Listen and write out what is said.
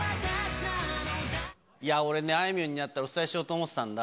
俺ね、あいみょんに会ったらお伝えしようと思ってたんだ。